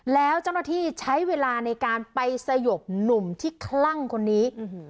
แล้วเจ้าหน้าที่ใช้เวลาในการไปสยบหนุ่มที่คลั่งคนนี้